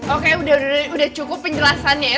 oke udah cukup penjelasannya ya